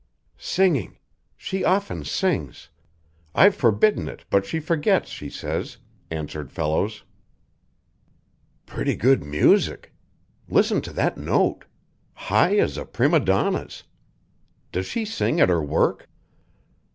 _" "Singing. She often sings. I've forbidden it, but she forgets, she says," answered Fellows. "_Pretty good music. Listen to that note. High as a prima donna's. Does she sing at her work?